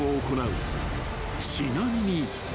［ちなみに］